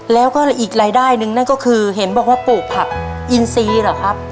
แล้วก็อีกรายได้หนึ่งนั่นก็คือเห็นบอกว่าปลูกผักอินซีเหรอครับ